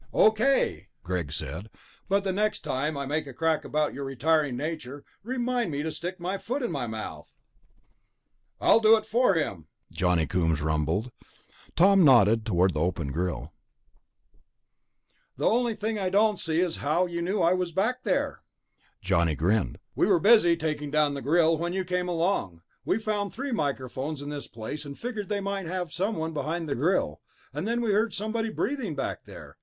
"Okay," Greg said, "but the next time I make a crack about your retiring nature, remind me to stick my foot in my mouth." "I'll do it for him," Johnny Coombs rumbled. Tom nodded toward the open grill. "The only thing I don't see is how you knew I was back there." Johnny grinned. "We were busy taking down the grill when you came along. We'd found three microphones in this place, and figured they might have one behind the grill. And then we heard somebody breathing back there